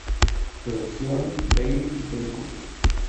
Producción: Þeyr y Tony Cook.